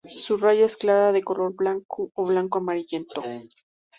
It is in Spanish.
Su raya es clara, de color blanco o blanco-amarillento.